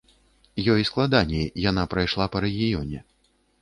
Ёй складаней, яна прайшла па рэгіёне.